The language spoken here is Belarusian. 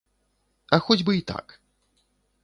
А хоць бы й так.